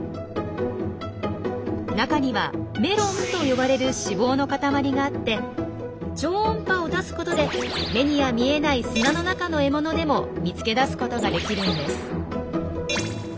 中には「メロン」と呼ばれる脂肪の塊があって超音波を出すことで目には見えない砂の中の獲物でも見つけ出すことができるんです。